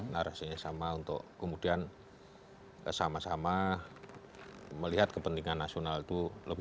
narasinya sama untuk kemudian sama sama melihat kepentingan nasional itu lebih